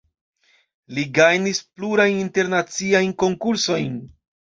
Li gajnis plurajn internaciajn konkursojn.